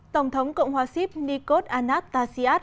tổng thống cộng hòa ship nikos anastasiad